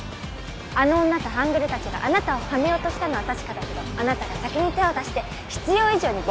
あの女と半グレたちがあなたをはめようとしたのは確かだけどあなたが先に手を出して必要以上にボコボコにしていた。